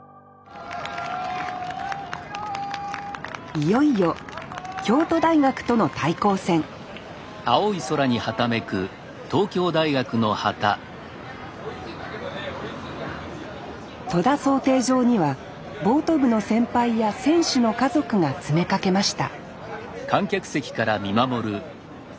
いよいよ京都大学との対抗戦戸田漕艇場にはボート部の先輩や選手の家族が詰めかけました